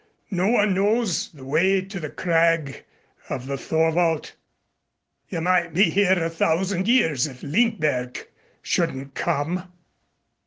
No one knows the way to the Crag of the Thorwald. You might be here a thousand years if Lindberg shouldn't come."